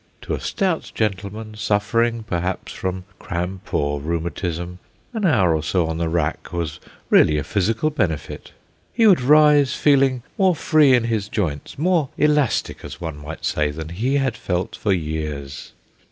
To a stout gentleman, suffering, perhaps, from cramp or rheumatism, an hour or so on the rack was really a physical benefit. He would rise feeling more free in his joints more elastic, as one might say, than he had felt for years.